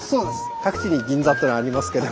各地に銀座ってのはありますけど。